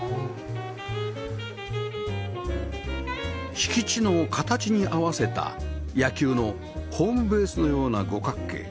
敷地の形に合わせた野球のホームベースのような五角形